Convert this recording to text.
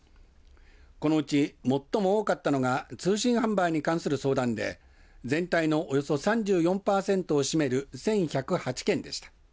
このうち最も多かったのが通信販売に関する相談で全体のおよそ３４パーセントを占める１１０８件でした。